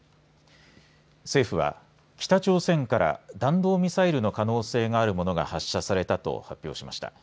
政府は北朝鮮から弾道ミサイルの可能性があるものが発射されたと発表しました。